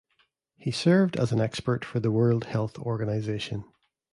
He served as an expert for the World Health Organization.